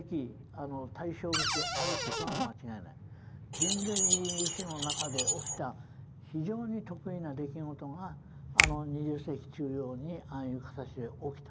人類史の中で起きた非常に特異な出来事が２０世紀中葉にああいう形で起きた。